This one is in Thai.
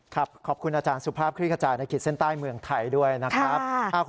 ขอบคุณอาจารย์สุภาพคลิกกระจายในขีดเส้นใต้เมืองไทยด้วยนะครับ